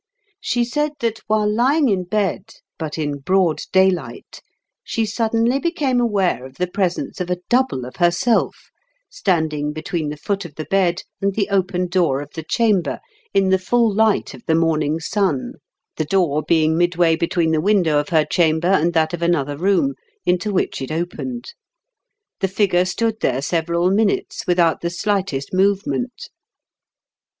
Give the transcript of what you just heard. She said that, while lying in bed, but in broad daylight, she suddenly became aware of the presence of a double of herself, standing between the foot of the bed and the open door of the chamber, in the full light of the morning sun, the door being midway between the window of her chamber and that of another room, into which it opened. The figure stood there several minutes, without the slightest movement.